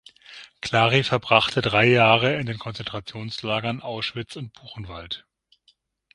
Clary verbrachte drei Jahre in den Konzentrationslagern Auschwitz und Buchenwald.